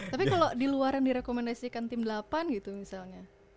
tapi kalau diluaran direkomendasikan tim delapan gitu misalnya